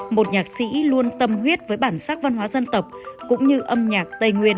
một nhạc sĩ luôn tâm huyết với bản sắc văn hóa dân tộc cũng như âm nhạc tây nguyên